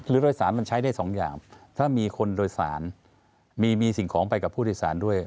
หรือโดยสารมันใช้ได้สองอย่างถ้ามีคนโดยสารมีสิ่งของไปกับผู้โดยสารด้วย